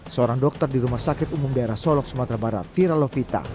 seorang dokter di rumah sakit umum daerah solok sumatera barat fira lovita